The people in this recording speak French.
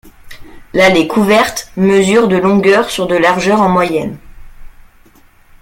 L'allée couverte mesure de longueur sur de largeur en moyenne.